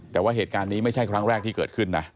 แต่ว่าเหตุการณ์นี้ไม่ใช่ครั้งแรกที่เกิดขึ้นนะ